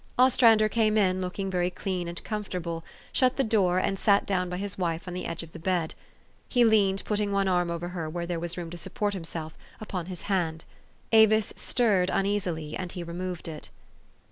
Os trander came in, looking very clean and comfortable, shut the door, and sat down by his wife on the edge of the bed. He leaned, putting one arm over her where there was room to support himself, upon his hand : Avis stirred uneasily, and he removed it.